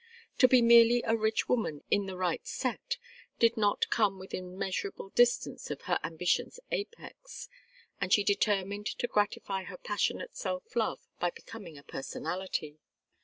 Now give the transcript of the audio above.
To be merely a rich woman in the right set did not come within measurable distance of her ambition's apex, and she determined to gratify her passionate self love by becoming a personality.